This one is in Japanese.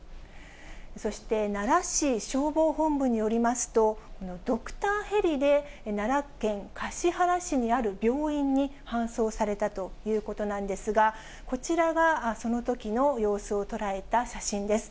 そして、奈良市消防本部によりますと、ドクターヘリで、奈良県橿原市にある病院に搬送されたということなんですが、こちらがそのときの様子を捉えた写真です。